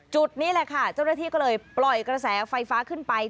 จุดนี้แหละค่ะเจ้าหน้าที่ก็เลยปล่อยกระแสไฟฟ้าขึ้นไป